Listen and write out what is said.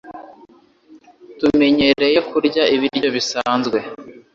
Tumenyereye kurya ibiryo bisanzwe